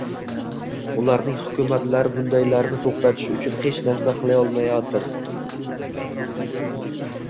Ularning hukumatlari bundaylarni to‘xtatish uchun hech narsa qilolmayotir